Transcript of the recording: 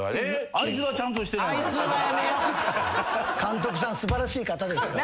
監督さん素晴らしい方ですから。